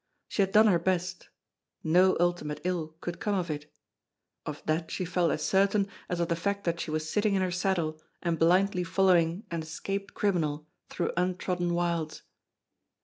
She had done her best; no ultimate ill could come of it; of that she felt as certain as of the fact that she was sitting in her saddle and blindly following an escaped criminal through untrodden wilds.